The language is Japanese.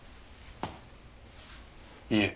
いえ。